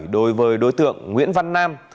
đối với đối tượng nguyễn văn nam